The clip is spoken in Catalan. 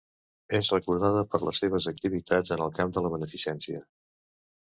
És recordada per les seves activitats en el camp de la beneficència.